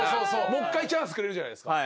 もう１回チャンスくれるじゃないですか。